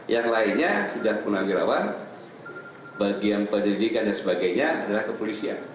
yang lainnya sudah purnawirawan bagian penyelidikan dan sebagainya adalah kepolisian